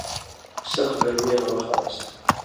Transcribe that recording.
سَخ گرمیاں وخ آن٘س۔